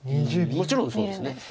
もちろんそうですね。